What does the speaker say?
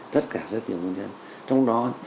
tất cả rất nhiều nguyên nhân